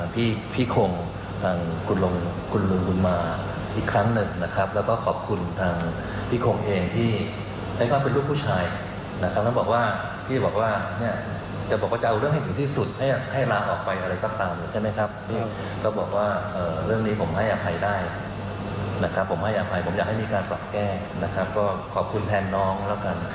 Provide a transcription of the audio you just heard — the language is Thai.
ผมให้อภัยผมอยากให้มีการปรับแก้กนะครับก็ขอบคุณแทนน้องแล้วกัน